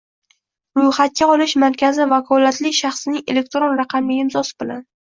ro‘yxatga olish markazi vakolatli shaxsining elektron raqamli imzosi bilan